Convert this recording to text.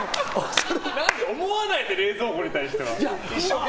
思わないって冷蔵庫に対しては。